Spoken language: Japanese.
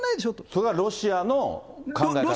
それがロシアの考え方なんだ？